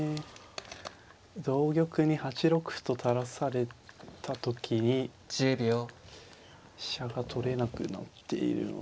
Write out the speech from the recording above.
同玉に８六歩と垂らされた時に飛車が取れなくなっているので。